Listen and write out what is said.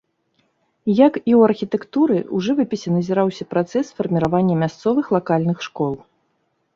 Як і ў архітэктуры, у жывапісе назіраўся працэс фарміравання мясцовых лакальных школ.